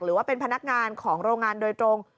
หรือว่าเป็นพนักงานของโรงงานโดยตรง